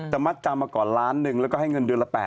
จะมัตต์จำก่อล้านนึงเราก็ให้เงินเดือนละ๘๐๐๐๐